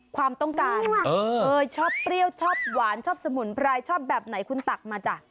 ความต้องการชอบเปรี้ยวชอบหวานชอบสมุนไพรชอบแบบไหนคุณตักมาจ้ะ